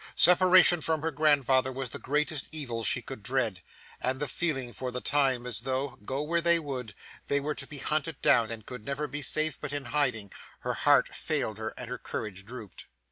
Separation from her grandfather was the greatest evil she could dread; and feeling for the time as though, go where they would, they were to be hunted down, and could never be safe but in hiding, her heart failed her, and her courage drooped.